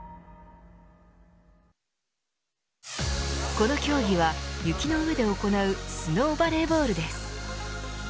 この競技は雪の上で行うスノーバレーボールです。